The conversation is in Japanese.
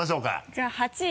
じゃあ８位。